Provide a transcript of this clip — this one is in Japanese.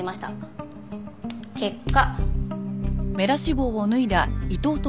結果。